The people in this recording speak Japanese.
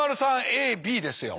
ＡＢですよ。